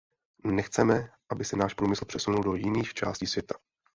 Nechceme, aby se náš průmysl přesunul do jiných částí světa.